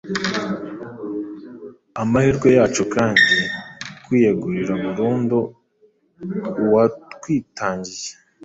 ni amahirwe yacu kandi kwiyegurira burundu uwatwitangiye.